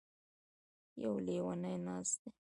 يـو ليونی نـاست دی.